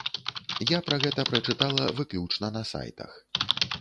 Я пра гэта прачытала выключна на сайтах.